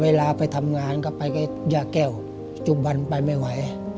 เวลาไปทำงานก็ไปกับย่าแก้วจุบันไปไม่ไหว